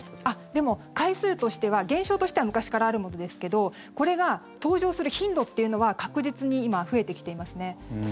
でも、回数としては現象としては昔からあるものですけどこれが登場する頻度っていうのは確実に今、増えてきていますね。